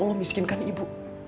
allah miskinkan ibu